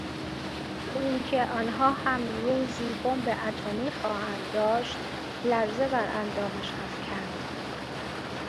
فکر اینکه آنها هم روزی بمب اتمی خواهند داشت لرزه بر اندامش افکند.